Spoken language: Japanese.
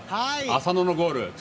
浅野のゴール。